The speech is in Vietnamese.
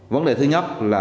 vấn đề thứ nhất là